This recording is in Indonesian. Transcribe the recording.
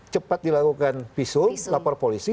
cepat dilakukan visum lapor polisi